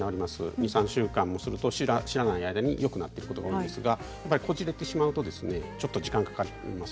２、３週間すると知らない間によくなってることがありますがこじれてしまうと時間がかかります。